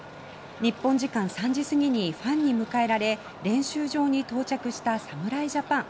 日本時間３時過ぎにファンに迎えられ練習場に到着した侍ジャパン。